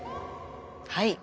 はい。